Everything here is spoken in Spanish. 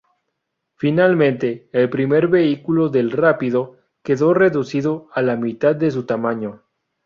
Finalmente, el primer vehículo del rápido, quedó reducido a la mitad de su tamaño.